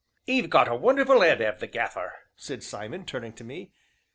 '" "'E 've got a wonderful 'ead, 'ave the Gaffer!" said Simon, turning to me.